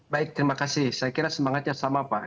baik terima kasih saya kira semangatnya sama pak